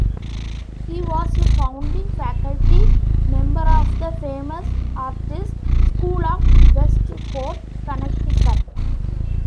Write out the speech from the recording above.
He was a founding faculty member of the Famous Artists School of Westport, Connecticut.